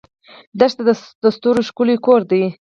دښته د ستورو ښکلی کور دی.